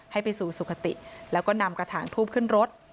ให้ไปสู่สุขติแล้วก็นำกระถางทูบขึ้นรถ